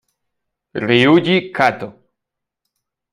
Ryuji Kato